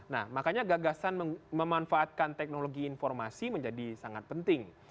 nah makanya gagasan memanfaatkan teknologi informasi menjadi sangat penting